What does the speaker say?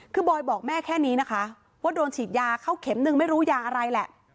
คือบอยบอกแม่แค่นี้นะคะว่าโดนฉีดยาเข้าเข็มนึงไม่รู้ยาอะไรแหละ